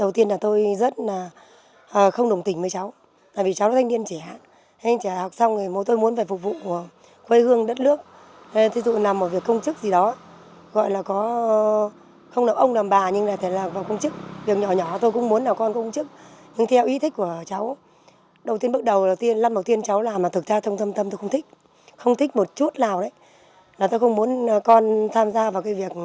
theo ý thích của cháu đầu tiên bước đầu lần đầu tiên cháu làm mà thực ra trong tâm tâm tôi không thích không thích một chút nào đấy là tôi không muốn con tham gia vào cái việc cấy ghép chai cái việc đấy cũng vất vả